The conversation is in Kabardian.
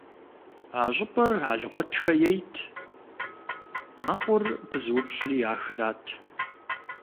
А щӏыпӏэр Алгъуэтхэ ейт, мэкъур пызыупщӏри ахэрат.